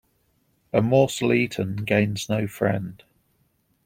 A morsel eaten gains no friend.